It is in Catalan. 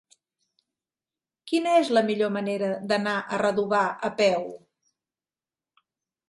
Quina és la millor manera d'anar a Redovà a peu?